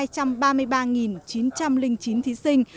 số thí sinh đạt trên sàn là hai trăm ba mươi ba chín trăm linh chín thí sinh